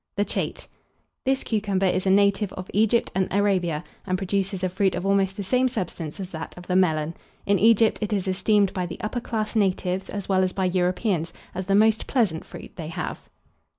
THE CHATE. This cucumber is a native of Egypt and Arabia, and produces a fruit of almost the same substance as that of the Melon. In Egypt it is esteemed by the upper class natives, as well as by Europeans, as the most pleasant fruit they have.